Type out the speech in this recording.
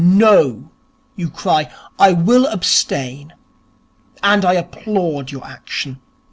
No, you cry, I will abstain. And I applaud your action.